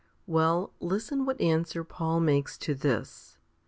Well, listen what answer Paul makes to this.